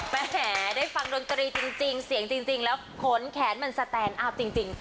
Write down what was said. แมนเฮได้ฟังโรงตรีจริงแล้วขนแขนเหมือนสแตนอัพจริง